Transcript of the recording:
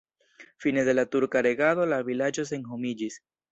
Fine de la turka regado la vilaĝo senhomiĝis.